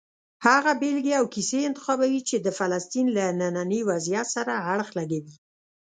هغه بېلګې او کیسې انتخابوي چې د فلسطین له ننني وضعیت سره اړخ لګوي.